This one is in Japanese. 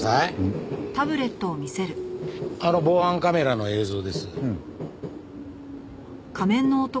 あの防犯カメラの映像です。